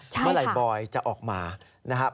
เมื่อไหร่บอยจะออกมานะครับ